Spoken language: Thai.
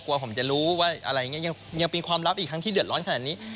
ผมจะรู้ว่าอะไรอย่างนี้ยังเป็นความลับอีกครั้งที่เดือดร้อนขนาดนี้